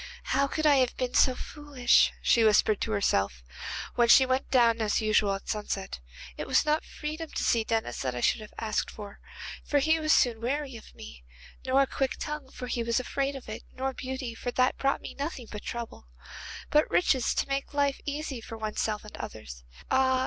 'How could I have been so foolish,' she whispered to herself, when she went down as usual at sunset. 'It was not freedom to see Denis that I should have asked for, for he was soon weary of me, nor a quick tongue, for he was afraid of it, nor beauty, for that brought me nothing but trouble, but riches which make life easy both for oneself and others. Ah!